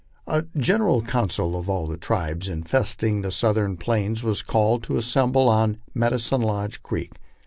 A general council of all the tribes infesting the southern plains was called to as semble on " Medicine Lodge creek."